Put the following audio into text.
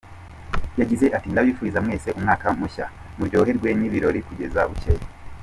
Yagize ati"Ndabifuriza mwese umwaka mushya , muryoherwe n’ibi birori kugeza bucyeye".